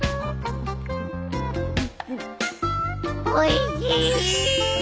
おいしい！